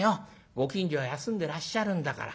ご近所は休んでらっしゃるんだから。